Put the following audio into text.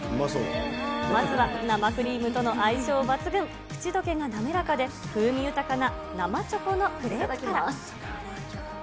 まずは生クリームとの相性抜群、口どけが滑らかで、風味豊かな生チョコのクレープから。